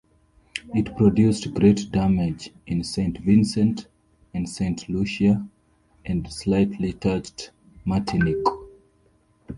It produced great damage in Saint Vincent and Saint Lucia, and slightly touched Martinique.